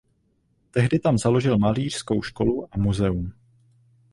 Tehdy tam založil malířskou školu a muzeum.